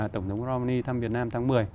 thăm việt nam tháng một mươi